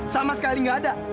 sama sekali gak ada